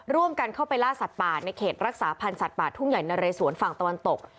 ร่วมกันเข้าไปล่าสัตว์ป่าในเขตรักษาพันธ์สัตว์ป่าทุ่งใหญ่นะเรสวนฝั่งตะวันตก